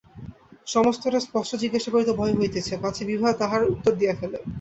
সমস্তটা স্পষ্ট জিজ্ঞাসা করিতে ভয় হইতেছে পাছে বিভা তাহার উত্তর দিয়া ফেলে!